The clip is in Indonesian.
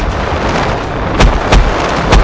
aku akanmentation saistei di bandara